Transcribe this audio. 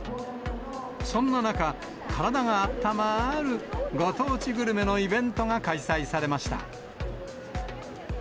そんな中、体があったまーるご当地グルメのイベントが開催されました。